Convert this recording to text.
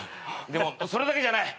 でもそれだけじゃない。